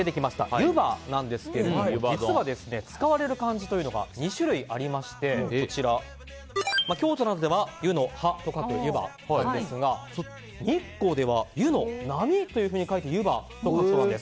ゆばなんですが実は、使われる漢字というのが２種類ありまして京都などでは「湯の葉」と書く湯葉なんですが日光では「湯の波」と書いて湯波と書くそうです。